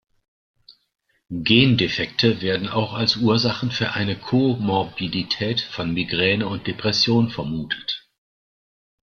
Gendefekte werden auch als Ursachen für eine Komorbidität von Migräne und Depression vermutet.